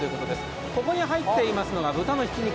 ここに入っていますのが豚のひき肉。